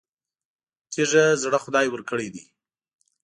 تېږه زړه خدای ورکړی دی.